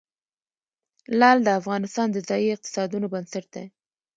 لعل د افغانستان د ځایي اقتصادونو بنسټ دی.